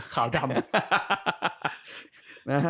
ขาวดำ